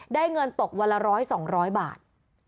ได้เงินตกวันละร้อย๒๐๐บาท